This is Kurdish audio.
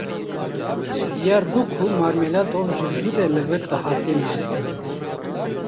Diyar bû ku Marmeladov ji zû de li vir dihate nasîn.